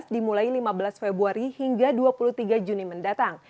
dua ribu delapan belas dimulai lima belas februari hingga dua puluh tiga juni mendatang